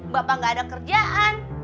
bapak gak ada kerjaan